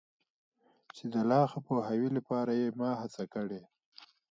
چي د لا ښه پوهاوي لپاره یې ما هڅه کړي.